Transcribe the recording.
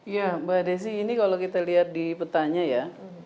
ya mbak desi ini kalau kita lihat di petanya ya